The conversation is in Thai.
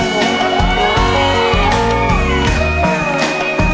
สวัสดีครับ